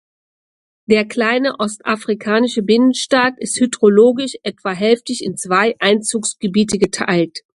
Der kleine ostafrikanische Binnenstaat ist hydrologisch etwa hälftig in zwei Einzugsgebiete geteilt.